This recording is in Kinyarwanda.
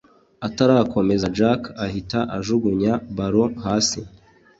atarakomeza jack ahita ajugunya ballon hasi